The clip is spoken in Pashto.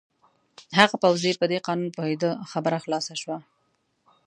هغه پوځي په دې قانون پوهېده، خبره خلاصه شول.